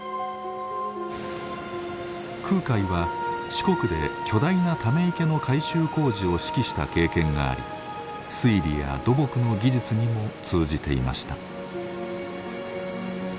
空海は四国で巨大なため池の改修工事を指揮した経験があり水利や土木の技術にも通じていました。